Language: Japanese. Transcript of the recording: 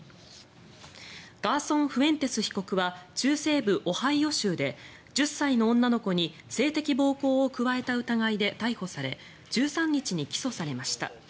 ガーソン・フエンテス被告は中西部オハイオ州で１０歳の女の子に性的暴行を加えた疑いで逮捕され１３日に起訴されました。